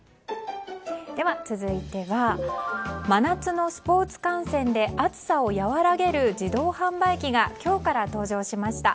続いては真夏のスポーツ観戦で暑さをやわらげる自動販売機が今日から登場しました。